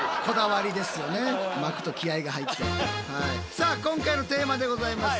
さあ今回のテーマでございます。